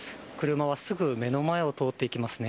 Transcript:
車はすぐ目の前を通っていきますね。